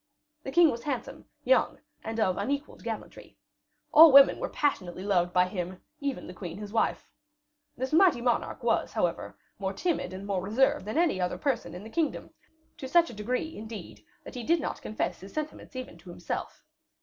The king was handsome, young, and of unequaled gallantry. All women were passionately loved by him, even the queen, his wife. This mighty monarch was, however, more timid and more reserved than any other person in the kingdom, to such a degree, indeed, that he did not confess his sentiments even to himself.